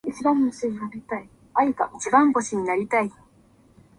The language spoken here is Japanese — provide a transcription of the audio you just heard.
一番星になりたい。